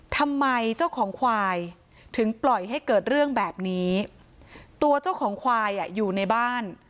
ทำไมเจ้าของควายถึงปล่อยให้เกิดเรื่องแบบนี้ตัวเจ้าของควายอ่ะอยู่ในบ้าน